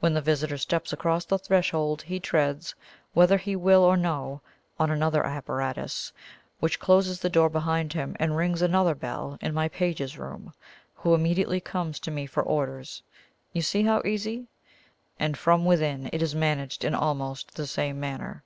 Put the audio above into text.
When the visitor steps across the threshold he treads, whether he will or no, on another apparatus, which closes the door behind him and rings another bell in my page's room, who immediately comes to me for orders. You see how easy? And from within it is managed in almost the same manner."